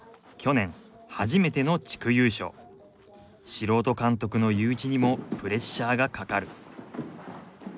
素人監督のユーイチにもプレッシャーがかかる。